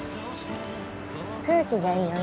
空気がいいよね。